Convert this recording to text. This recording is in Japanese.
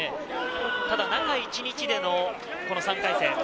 ただ、中１日での３回戦。